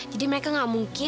jadi mereka gak mungkin